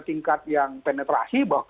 tingkat yang penetrasi